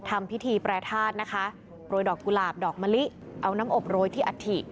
ทำพิธีแปรทาสนะคะโรยดอกกุหลาบดอกมะลิเอาน้ำอบโรยที่อัฐิ